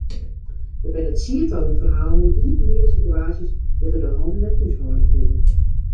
Der binne tsientallen ferhalen oer iepenbiere situaasjes dêr't er de hannen net thúshâlde koe.